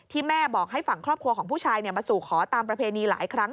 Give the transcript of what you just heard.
แม่บอกให้ฝั่งครอบครัวของผู้ชายมาสู่ขอตามประเพณีหลายครั้ง